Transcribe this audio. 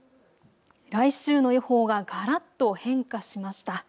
来週の予報ががらっと変化しました。